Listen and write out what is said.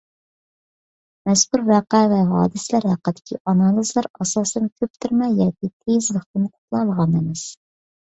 مەزكۇر ۋەقە ۋە ھادىسىلەر ھەققىدىكى ئانالىزلار ئاساسەن كۆپتۈرمە ۋە ياكى تېيىزلىقتىن قۇتۇلالىغان ئەمەس.